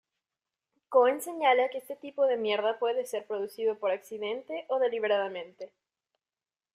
Cohen señala que este tipo de mierda puede ser producido por accidente o deliberadamente.